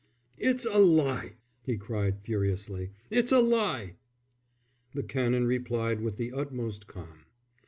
"It's a lie!" he cried, furiously. "It's a lie!" The Canon replied with the utmost calm.